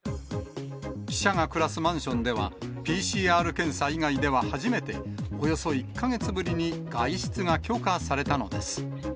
記者が暮らすマンションでは、ＰＣＲ検査以外では初めて、およそ１か月ぶりに外出が許可されたのです。